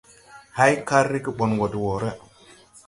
Hay kar rege ɓɔn go de wɔɔre!